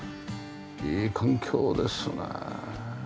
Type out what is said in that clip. いい環境ですね。